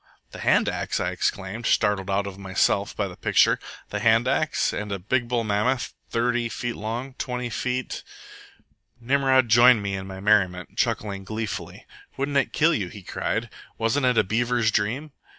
"The hand axe?" I exclaimed, startled out of myself by the picture. "The hand axe, and a big bull mammoth, thirty feet long, twenty feet " Nimrod joined me in my merriment, chuckling gleefully. "Wouldn't it kill you?" he cried. "Wasn't it a beaver's dream?